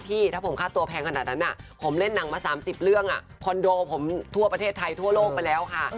ถ้าผมค่าตัวแพงขนาดนั้นผมเล่นหนังมา๓๐เรื่องคอนโดผมทั่วประเทศไทยทั่วโลกไปแล้วค่ะ